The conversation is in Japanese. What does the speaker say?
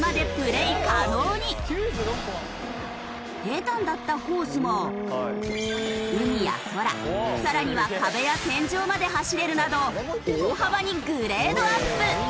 平坦だったコースも海や空さらには壁や天井まで走れるなど大幅にグレードアップ！